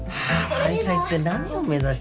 あいつは一体何を目指してんだよ。